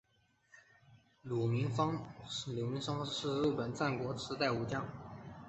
芦名氏方是日本战国时代武将。